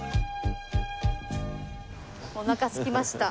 おなかすきました。